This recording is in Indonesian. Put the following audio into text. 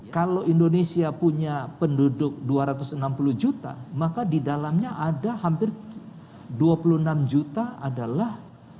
kalau indonesia punya penduduk dua ratus enam puluh juta maka di dalamnya ada hampir dua puluh enam juta adalah